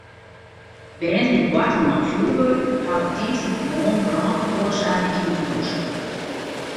Bern dy't boarten mei fjurwurk hawwe tiisdeitemoarn brân feroarsake yn in hûs.